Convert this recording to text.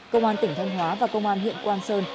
công an tỉnh thanh hóa và công an huyện quang sơn